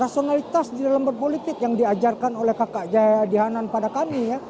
rasionalitas di dalam berpolitik yang diajarkan oleh kakak jaya dihanan pada kami ya